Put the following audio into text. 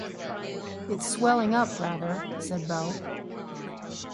"It's swelling up rather," said Beau.